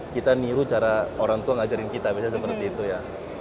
kita niru cara orang tua ngajarin kita misalnya seperti itu ya